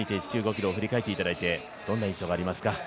ｋｍを振り返っていただいてどんな印象がありますか。